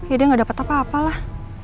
ya dia gak dapat apa apa lah